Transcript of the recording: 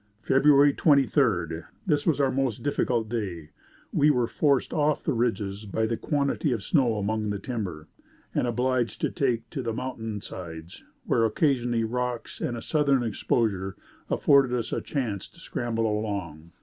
"February Twenty third. This was our most difficult day; we were forced off the ridges by the quantity of snow among the timber, and obliged to take to the mountain sides, where, occasionally, rocks and a southern exposure afforded us a chance to scramble along.